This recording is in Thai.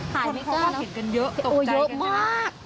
คนเห็นกันเยอะตกใจกัน